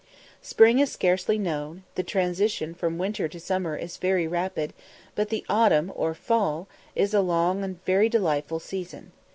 Spring is scarcely known; the transition from winter to summer is very rapid; but the autumn or fall is a long and very delightful season.